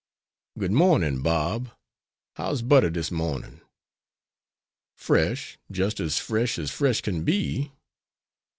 "Good mornin', Bob; how's butter dis mornin'?" "Fresh; just as fresh, as fresh can be."